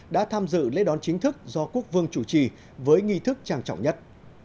đã tham dự lễ đón chính thức do quốc vương chủ trì với nghi thức trang trọng nhất